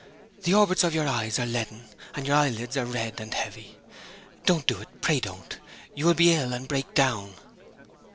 'The orbits of your eyes are leaden, and your eyelids are red and heavy. Don't do it pray don't. You will be ill, and break down.'